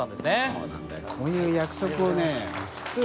そうなんだよ。